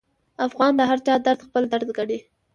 افغان د هرچا درد خپل درد ګڼي.